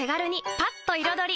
パッと彩り！